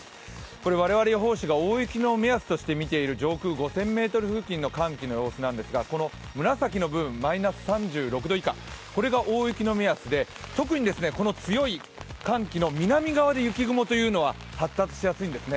これ我々予報士が大雪の目安で見ている上空５０００ｍ付近の雲の様子なんですが、この紫の部分、マイナス３６度以下、特にこの強い寒気の南側で雪雲というのは発達しやすいんですね。